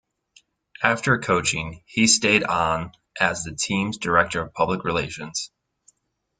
After coaching, he stayed on as the team's Director of Public Relations.